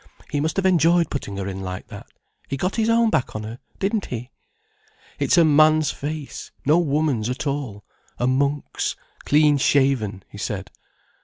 He must have enjoyed putting her in like that. He got his own back on her, didn't he?" "It's a man's face, no woman's at all—a monk's—clean shaven," he said.